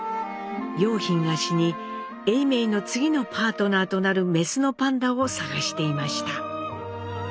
蓉浜が死に永明の次のパートナーとなるメスのパンダを探していました。